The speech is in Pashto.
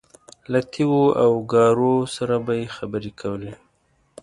له تیږو او ګارو سره به یې خبرې کولې.